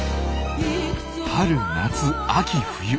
春夏秋冬。